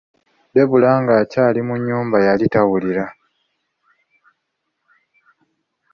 Debula ng'akyali mu nnyumba yali tawulira.